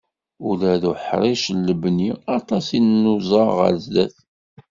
Ula deg uḥric n lebni, aṭas i nuẓa ɣar sdat.